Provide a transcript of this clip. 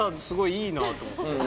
すごいいいなと。